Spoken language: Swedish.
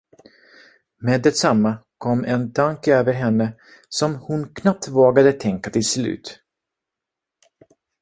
Med detsamma kom en tanke över henne som hon knappt vågade tänka till slut.